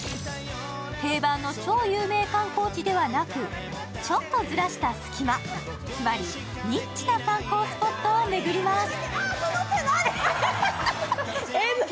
定番の超有名観光地ではなく、ちょっとずらした隙間つまりニッチな観光スポットを巡ります。